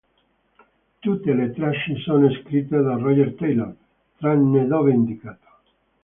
Tutte le tracce sono scritte da Roger Taylor tranne dove indicato.